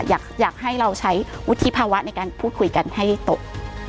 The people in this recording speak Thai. อยากให้เราใช้วุฒิภาวะในการพูดคุยกันให้ตก